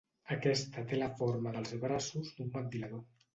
Aquesta té la forma dels braços d'un ventilador.